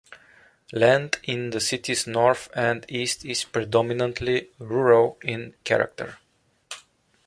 Land in the city's north and east is predominantly rural in character.